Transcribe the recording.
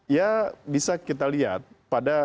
ya bisa kita lihat pada